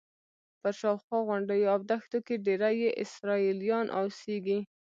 پر شاوخوا غونډیو او دښتو کې ډېری یې اسرائیلیان اوسېږي.